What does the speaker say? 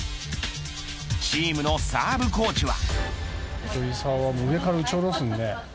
チームのサーブコーチは。